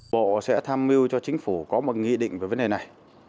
bộ sẽ tham mưu cho chính phủ có một nghị định về vấn đề này